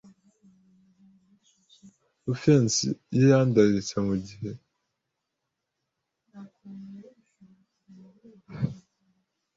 ruffians ye idahwitse mugihe bagiye bazenguruka mumucanga hagati yumuriro - ninde